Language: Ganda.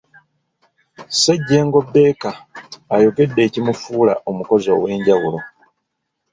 Ssejjengo Baker ayogedde ekimufuula omukozi ow'enjawulo.